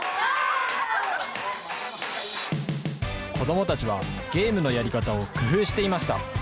子どもたちはゲームのやり方を工夫していました。